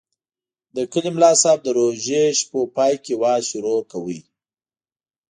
د کلي ملاصاحب د روژې شپو پای کې وعظ شروع کاوه.